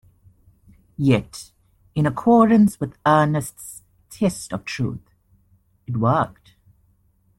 Yet, in accordance with Ernest's test of truth, it worked.